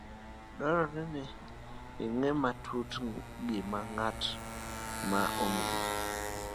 Dwarore ni ing'e matut gima ng'at ma omiyi